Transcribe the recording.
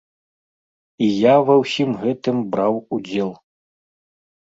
І я ва ўсім гэтым браў удзел.